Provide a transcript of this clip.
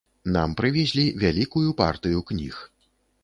Нам прывезлі вялікую партыю кніг.